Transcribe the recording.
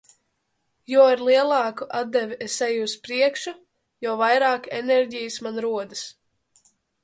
Jo ar lielāku atdevi es eju uz priekšu, jo vairāk enerģijas man rodas.